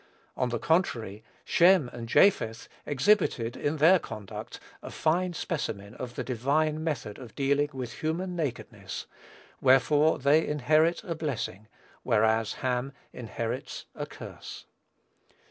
On the contrary, Shem and Japheth exhibit in their conduct a fine specimen of the divine method of dealing with human nakedness; wherefore they inherit a blessing, whereas Ham inherits a curse.